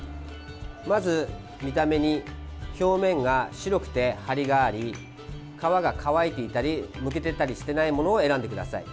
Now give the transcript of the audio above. まず見た目に、表面が白くてハリがあり、皮が乾いていたりむけてたりしていないものを選んでください。